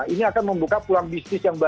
ini akan membuka peluang bisnis yang baru